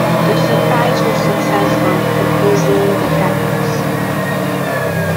The surprise was successful, confusing the Cacos.